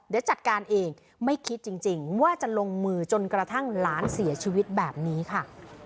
เดี๋ยวจัดการเองไม่คิดจริงว่าจะลงมือจนกระทั่งหลานเสียชีวิตแบบนี้ค่ะ